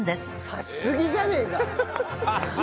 刺しすぎじゃねえか！？